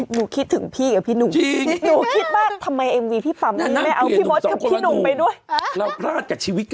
หนูคิดถึงพี่กับพี่หนุ่งหนูคิดมากจริง